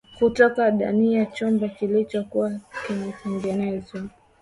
Kutoka ndaniya chumba kilicho kuwa kimetengwa